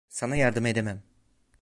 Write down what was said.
Sana yardım edemem.